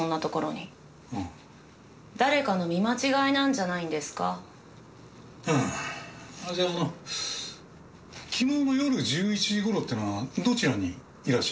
じゃああの昨日の夜１１時頃っていうのはどちらにいらっしゃいました？